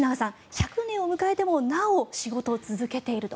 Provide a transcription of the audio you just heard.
１００年を迎えてもなお仕事を続けていると。